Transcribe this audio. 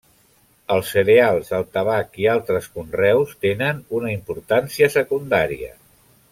Els cereals, el tabac i altres conreus, tenen una importància secundària.